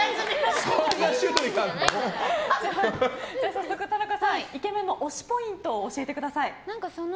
早速、田中さんイケメンの推しポイントを教えてください。